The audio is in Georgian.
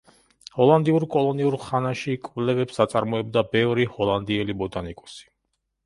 ჰოლანდიურ კოლონიურ ხანაში კვლევებს აწარმოებდა ბევრი ჰოლანდიელი ბოტანიკოსი.